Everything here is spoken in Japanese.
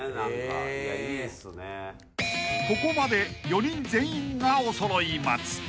［ここまで４人全員がおそろい松］